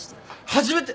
初めて！？